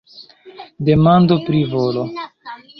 Demando pri volo.